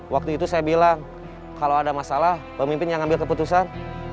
waktu itu saya bilang kalau ada masalah pemimpin yang ngambil keputusan